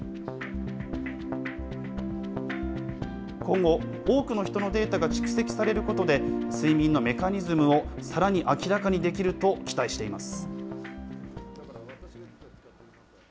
今後、多くの人のデータが蓄積されることで、睡眠のメカニズムをさらに明らかにできると期待しています。